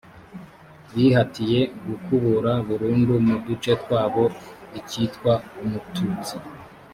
bihatiye gukubura burundu mu duce twabo ikitwa umututsi